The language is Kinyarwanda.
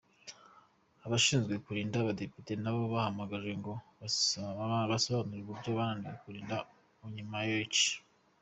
Abashinzwe kurinda abadepite nabo bahamagajwe ngo basobanure uburyo bananiwe kurinda Onyemaechi.